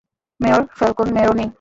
Mayor, Falcone, Maroney.